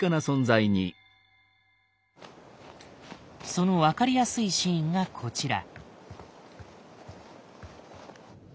その分かりやすいシーンがこちら。